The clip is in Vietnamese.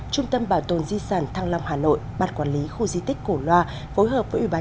trung tâm bảo tồn di sản thăng long hà nội bát quản lý khu di tích cổ loa phối hợp với ủy ban